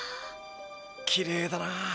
きれいだなあ。